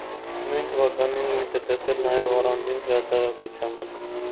Նույն թվականին լույս է տեսել նաև առանձին հրատարակությամբ։